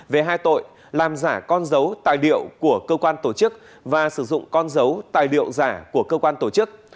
về hai tội làm giả con dấu tài liệu của cơ quan tổ chức và sử dụng con dấu tài liệu giả của cơ quan tổ chức